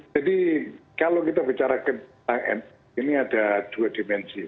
jadi kalau kita bicara tentang nu ini ada dua dimensi